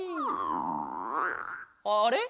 あれ？